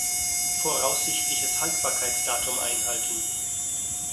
Voraussichtliches Haltbarkeitsdatum einhalten.